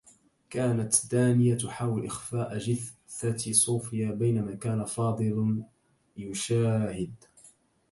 كانت دانية تحاول إخفاء جثة صوفيا بينما كان فاضل يشاهد.